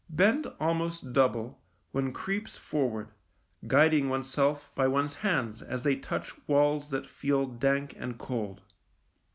Bent almost double, one creeps forward, guiding oneself by one's hands as they touch walls that feel dank and cold.